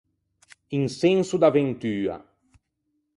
Un senso d’avventua.